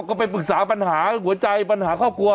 ก็ไปปรึกษาปัญหาหัวใจปัญหาครอบครัว